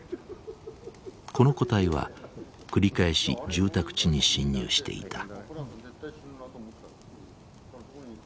この個体は繰り返し住宅地に侵入していた。